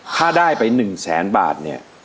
ถ้าได้ไปหนึ่งแสนบาทเนี่ย